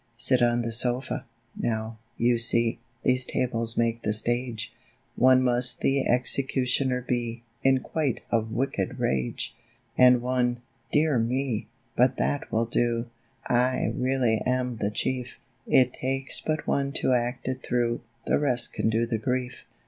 "Sit on the sofa. Now, you see, These tables make the stasre : One must the executioner be, In quite a wicked rage. "And one, — dear me ! but that will do, — I really am the chief; It takes but one to act it through; The rest can do the grief.